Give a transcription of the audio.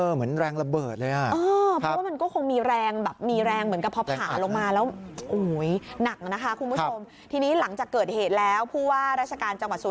เหมือนแรงระเบิดเลย